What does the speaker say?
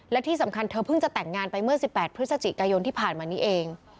และที่สำคัญเธอเพิ่งจะแต่งงานไปเมื่อ๑๘พฤศจิกายนที่ผ่านมานี้เอง